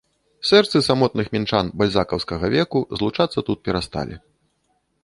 Сэрцы самотных мінчан бальзакаўскага веку злучацца тут перасталі.